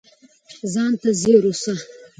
ځان ته ځیر اوسه